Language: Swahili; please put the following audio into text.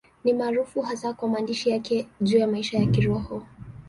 Ni maarufu hasa kwa maandishi yake juu ya maisha ya Kiroho.